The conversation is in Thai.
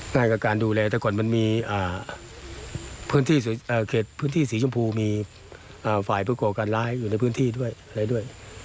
ง่ายกับการดูแลถ้าก่อนมันมีพื้นที่สีชมพูมีฝ่ายภูเขาการร้ายอยู่ในพื้นที่ด้วย